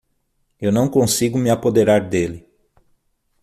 Eu não consigo me apoderar dele.